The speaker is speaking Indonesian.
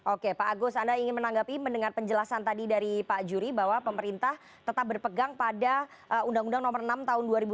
oke pak agus anda ingin menanggapi mendengar penjelasan tadi dari pak juri bahwa pemerintah tetap berpegang pada undang undang nomor enam tahun dua ribu dua puluh